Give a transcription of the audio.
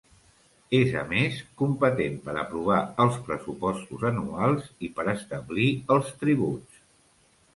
És, a més, competent per aprovar els pressupostos anuals i per establir els tributs.